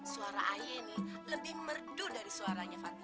suara ayah nih lebih merdu dari suaranya fatimah